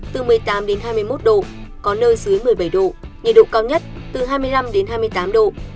từ một mươi tám đến hai mươi một độ có nơi dưới một mươi bảy độ nhiệt độ cao nhất từ hai mươi năm đến hai mươi tám độ